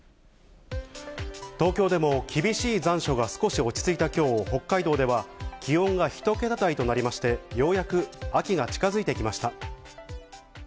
東京でも厳しい残暑が少し落ち着いたきょう、北海道では気温が１桁台となりまして、ようやく秋が近づいてきました。